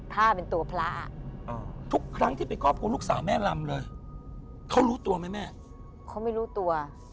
ถ้าเป็นตัวพระ